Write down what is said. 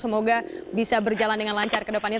semoga bisa berjalan dengan lancar ke depannya